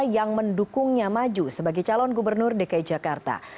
yang mendukungnya maju sebagai calon gubernur dki jakarta